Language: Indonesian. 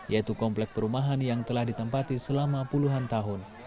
yaitu komplek perumahan yang telah ditempati selama puluhan tahun